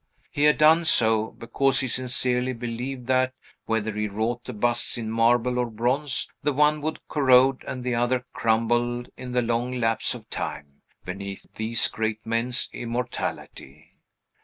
He had done so, because he sincerely believed that, whether he wrought the busts in marble or bronze, the one would corrode and the other crumble in the long lapse of time, beneath these great men's immortality.